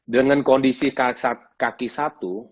dengan kondisi kaki satu